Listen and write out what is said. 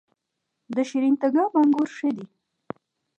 د شیرین تګاب انګور ښه دي